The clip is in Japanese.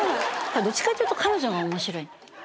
どっちかというと彼女が面白い。